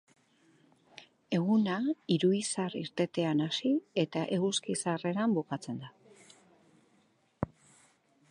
Eguna hiru izar irtetean hasi eta eguzki-sarreran bukatzen da.